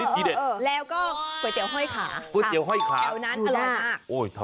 แต่